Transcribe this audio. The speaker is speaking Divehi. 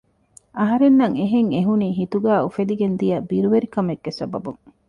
އަހަރެންނަށް އެހެން އެހުނީ ހިތުގައި އުފެދިގެންދިޔަ ބިރުވެރިކަމެއްގެ ސަބަބުން